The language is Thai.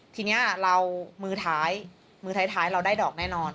ทีนี้เรามือท้ายมือท้ายเราได้ดอกแน่นอน